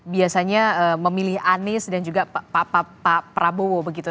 biasanya memilih anies dan juga pak prabowo begitu